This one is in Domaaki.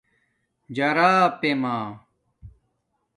جارا پیمݳ